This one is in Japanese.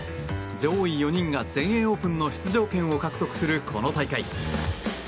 上位４人が全英オープンの出場権を獲得するこの大会。